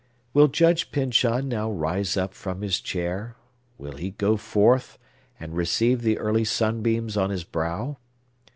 Will Judge Pyncheon now rise up from his chair? Will he go forth, and receive the early sunbeams on his brow?